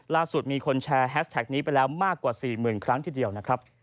ล่าสุดมีคนแชร์แฮชแท็กนี้ไปแล้วมากกว่า๔๐๐๐ครั้งทีเดียวนะครับ